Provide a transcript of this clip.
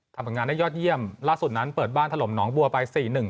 ทำงานได้ยอดเยี่ยมล่าสุดนั้นเปิดบ้านถล่มหนองบัวไป๔๑